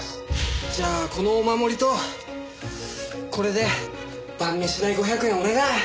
じゃあこのお守りとこれで晩飯代５００円お願い！